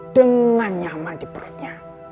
dengan nyaman di perutnya